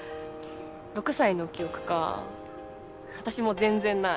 ６歳の記憶か私も全然ない。